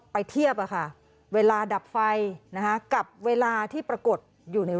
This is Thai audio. เทียบอะค่ะเวลาดับไฟนะคะกับเวลาที่ปรากฏอยู่ใน